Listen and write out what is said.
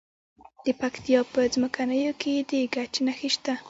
د پکتیا په څمکنیو کې د ګچ نښې شته.